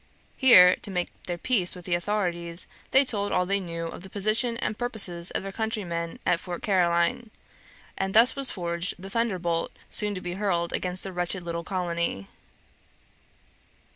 Here, to make their peace with the authorities, they told all they knew of the position and purposes of their countrymen at Fort Caroline, and thus was forged the thunderbolt soon to be hurled against the wretched little colony.